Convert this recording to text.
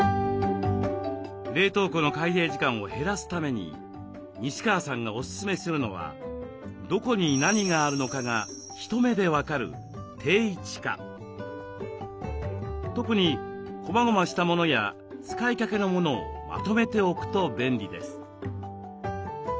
冷凍庫の開閉時間を減らすために西川さんがおすすめするのはどこに何があるのかが一目で分かる特にこまごましたものや使いかけのものをまとめておくと便利です。